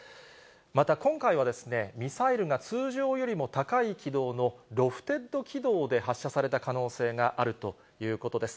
また今回は、ミサイルが通常よりも高い軌道のロフテッド軌道で発射された可能性があるということです。